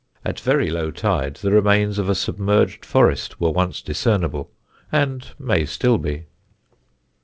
At very low tide the remains of a submerged forest were once discernible, and may still be.